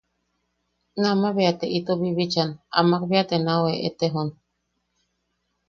Nama bea te ito bibichan, Amak bea te nau eʼetejon.